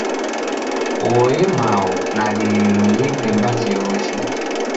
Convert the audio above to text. Oe mao, naririlo ni ibemba jeocha!